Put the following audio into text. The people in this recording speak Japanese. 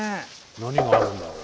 何があるんだろう？